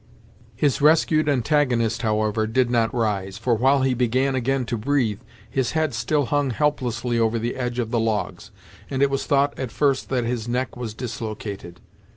His rescued antagonist, however, did not rise, for while he began again to breathe, his head still hung helplessly over the edge of the logs, and it was thought at first that his neck was dislocated.